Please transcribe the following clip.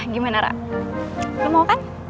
gimana rara lo mau kan